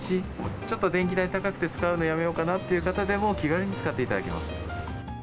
ちょっと電気代高くて、使うのやめようかなっていう方でも、気軽に使っていただけます。